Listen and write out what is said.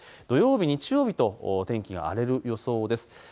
土曜日、日曜日と天気が荒れる予想です。